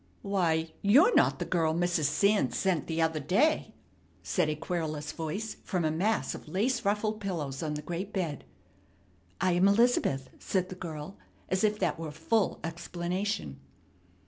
"Why, you're not the girl Mrs. Sands sent the other day," said a querulous voice from a mass of lace ruffled pillows on the great bed. "I am Elizabeth," said the girl, as if that were full explanation.